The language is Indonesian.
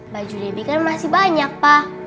baju debi kan masih banyak pa